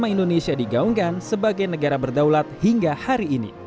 lima indonesia digaungkan sebagai negara berdaulat hingga hari ini